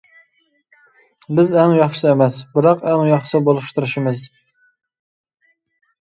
بىز ئەڭ ياخشىسى ئەمەس، بىراق ئەڭ ياخشىسى بولۇشقا تېرىشىمىز!